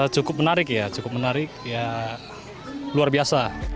cukup menarik ya cukup menarik ya luar biasa